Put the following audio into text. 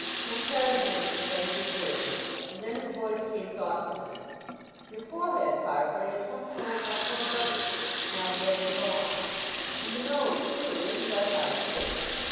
Henchard again suspended his words, and then his voice came thoughtfully: "Your forehead, Farfrae, is something like my poor brother's—now dead and gone; and the nose, too, isn't unlike his.